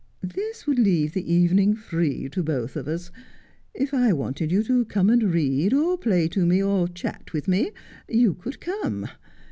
This would leave the evening free to both of us. If I wanted you to come and read or play to me, or chat with me, you could come.